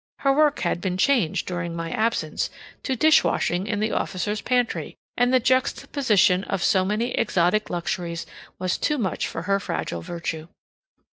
Her work had been changed during my absence to dishwashing in the officers' pantry, and the juxtaposition of so many exotic luxuries was too much for her fragile virtue.